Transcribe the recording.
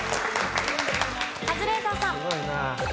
カズレーザーさん。